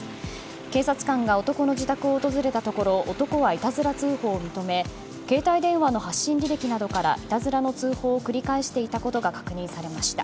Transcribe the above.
警察官が男の自宅を訪れたところ男はいたずら通報を認め携帯電話の発信履歴などからいたずらの通報を繰り返していたことが確認されました。